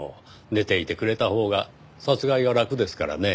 寝ていてくれたほうが殺害が楽ですからねぇ。